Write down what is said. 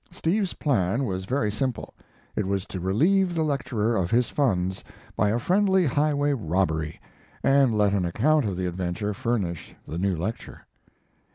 Steve's plan was very simple: it was to relieve the lecturer of his funds by a friendly highway robbery, and let an account of the adventure furnish the new lecture.